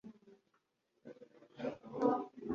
Iturika ryabaturage nikibazo gikomeye.